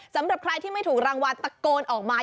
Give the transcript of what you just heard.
สำหรับใครที่ไม่ถูกรางวัลตะโกนออกมา